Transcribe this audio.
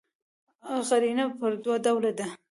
قرینه پر دوه ډوله ده.